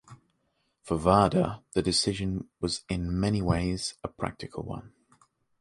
For Varda, the decision was in many ways a practical one.